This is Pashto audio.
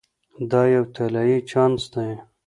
دا یو طلایی چانس دی.